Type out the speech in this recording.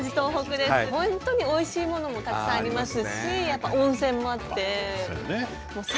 本当においしいものもたくさんありますしやっぱ温泉もあって。